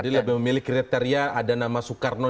jadi lebih memiliki kriteria ada nama soekarno